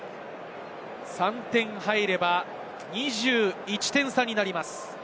３点入れば２１点差になります。